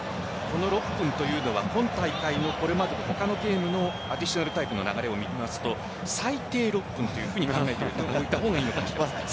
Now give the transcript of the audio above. この６分というのは今大会のこれまで他のゲームもアディショナルタイムの流れを見ると最低６分というふうに考えた方がいいかもしれません。